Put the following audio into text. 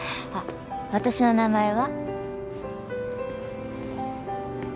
私の名前は？